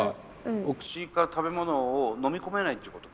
お口から食べ物を飲み込めないっていうことか。